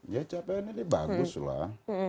ya capaian ini bagus lah